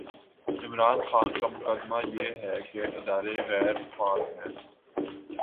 عمران خان کا مقدمہ یہ ہے کہ ادارے غیر فعال ہیں۔